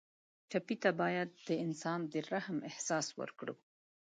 ټپي ته باید د انسان د رحم احساس ورکړو.